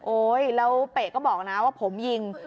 แล้วเปะก็บอกนะว่าผมยิง